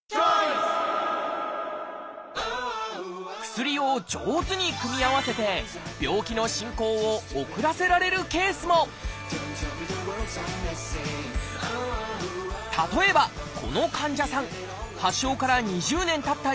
薬を上手に組み合わせて病気の進行を遅らせられるケースも例えばこの患者さん発症から２０年たった